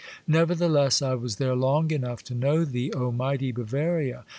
Nevertheless, I was there long enough to know thee, O mighty Bavaria